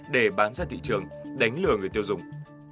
để bán ra thị trường đánh lừa người tiêu dùng